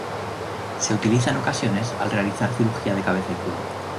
Se utiliza en ocasiones al realizar cirugía de cabeza y cuello.